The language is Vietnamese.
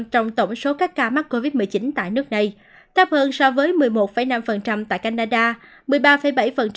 trong tổng số các ca mắc covid một mươi chín tại nước này thấp hơn so với một mươi một năm tại canada